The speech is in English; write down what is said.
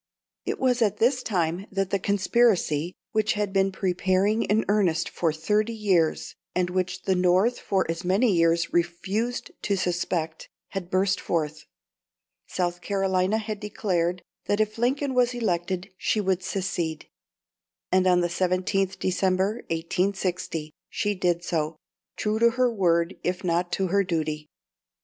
It was at this time that the conspiracy, which had been preparing in earnest for thirty years, and which the North for as many years refused to suspect, had burst forth. South Carolina had declared that if Lincoln was elected she would secede, and on the 17th December, 1860, she did so, true to her word if not to her duty.